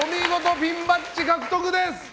ピンバッジ獲得です。